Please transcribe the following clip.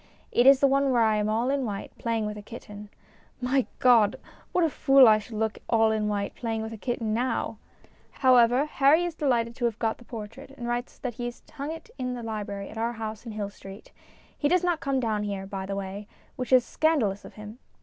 It is the one where I am all in white, playing with a kitten. My God ! What a fool I should look all in white, playing with a kitten now ! However, Harry is delighted to have got the portrait, and writes that he has hung it in the library at our house in Hill Street. He does not come down here, by the way, which is scandalous of him.